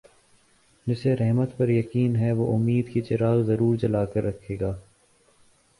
جسے رحمت پر یقین ہے وہ امید کے چراغ ضرور جلا کر رکھے گا